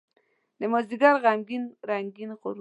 دمازدیګر غمګین رنګین غروب